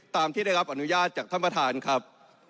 ที่ได้รับอนุญาตจากท่านประธานครับ